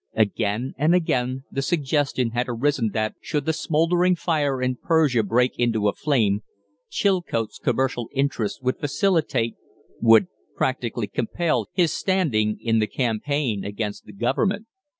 Again and again the suggestion had arisen that should the smouldering fire in Persia break into a flame, Chilcote's commercial interests would facilitate, would practically compel, his standing in in the campaign against the government.